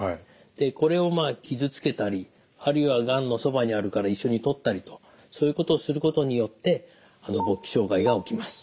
でこれを傷つけたりあるいはがんのそばにあるから一緒に取ったりとそういうことをすることによって勃起障害が起きます。